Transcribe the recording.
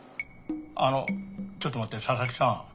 あのちょっと待って佐々木さん。